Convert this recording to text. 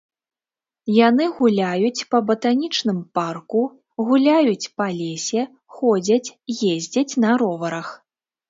Яны гуляюць па батанічным парку, гуляюць па лесе, ходзяць, ездзяць на роварах.